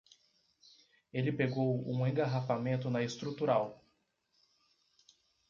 Ele pegou um engarrafamento na estrutural.